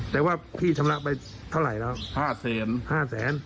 อ๋อแต่ว่าพี่ชำระไปเท่าไหร่แล้วห้าแสนห้าแสน